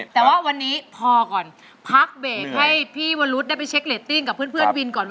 แต่ว่าวันนี้พอก่อนพักเบรกให้พี่วรุษได้ไปเช็คเรตติ้งกับเพื่อนวินก่อน